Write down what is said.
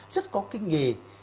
rất có kinh nghề